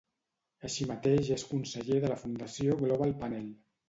Així mateix és conseller de la Fundació Global Panel.